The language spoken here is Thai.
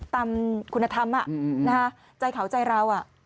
ตามคุณธรรมใจเขาใจเรา